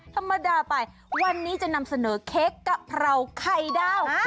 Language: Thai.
ธรรมดาไปวันนี้จะนำเสนอเค้กกะเพราไข่ดาว